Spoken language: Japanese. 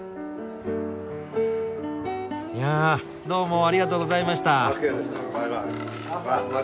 いやどうもありがとうございました。